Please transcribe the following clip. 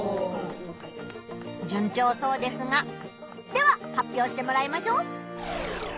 じゅん調そうですがでは発表してもらいましょう！